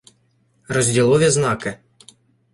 Розділові знаки